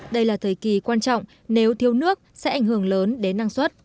đây là thời kỳ quan trọng nếu thiếu nước sẽ ảnh hưởng lớn đến năng suất